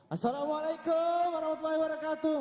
assalamualaikum warahmatullahi wabarakatuh